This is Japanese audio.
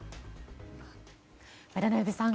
渡辺さん